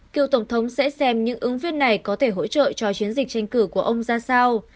cựu tổng thống sẽ xem những ứng viên này có thể hỗ trợ cho chiến dịch tranh cử của ông ra sao